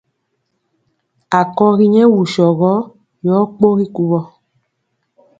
Akɔgi nyɛ wusɔ gɔ yɔ kpogi kuvɔ.